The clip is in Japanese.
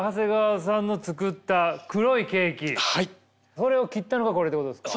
それを切ったのがこれってことですか。